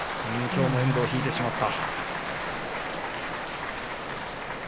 きょうも遠藤、引いてしまった。